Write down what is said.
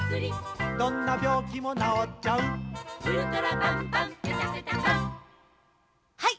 どんなびょうきもなおっちゃうウルトラバンバンペタペタバンはい！